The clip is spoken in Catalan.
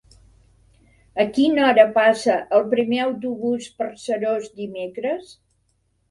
A quina hora passa el primer autobús per Seròs dimecres?